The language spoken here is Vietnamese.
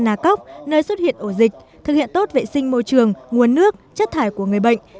phun ở thôn nà cóc nơi xuất hiện ổ dịch thực hiện tốt vệ sinh môi trường nguồn nước chất thải của người bệnh